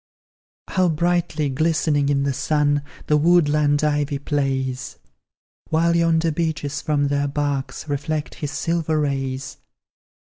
How brightly glistening in the sun The woodland ivy plays! While yonder beeches from their barks Reflect his silver rays.